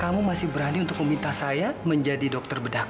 kamu masih berani untuk meminta saya menjadi dokter bedah